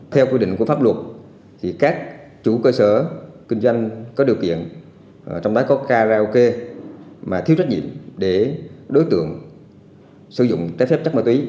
theo quy định của pháp luật các chủ cơ sở kinh doanh có điều kiện trong đó có karaoke mà thiếu trách nhiệm để đối tượng sử dụng trái phép chất ma túy